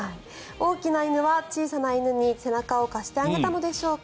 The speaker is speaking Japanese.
大きな犬は小さな犬に背中を貸してあげたのでしょうか。